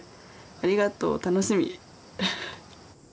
「ありがとう！楽しみ」。